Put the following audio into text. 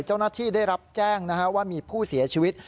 เจ้าหน้าที่ได้รับแจ้งว่ามีผู้เสียชีวิต